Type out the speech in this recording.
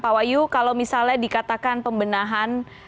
pak wahyu kalau misalnya dikatakan pembenahan